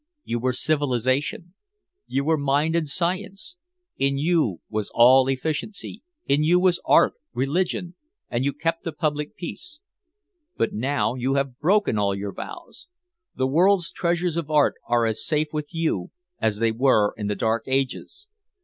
You were Civilization. You were Mind and Science, in you was all Efficiency, in you was Art, Religion, and you kept the Public Peace. But now you have broken all your vows. The world's treasures of Art are as safe with you as they were in the Dark Ages.